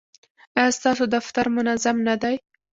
ایا ستاسو دفتر منظم نه دی؟